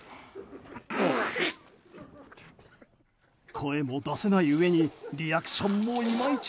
声も出せないうえにリアクションもいまいち。